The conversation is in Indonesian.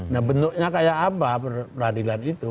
nah bentuknya kayak apa peradilan itu